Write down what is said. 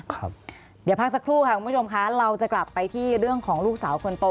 เดี๋ยวพักสักครู่ค่ะคุณผู้ชมค่ะเราจะกลับไปที่เรื่องของลูกสาวคนโต